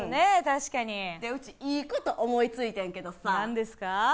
確かにうちいいこと思いついてんけどさ何ですか？